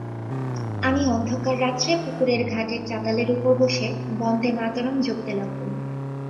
আমি অন্ধকার-রাত্রে পুকুরের ঘাটের চাতালের উপর বসে বন্দেমাতরং জপতে লাগলুম।